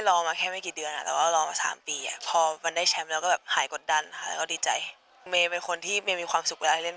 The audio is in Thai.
และก็เป็นแมทที่เราจะสามารถเล่นในน้ำทีมชาติได้เลย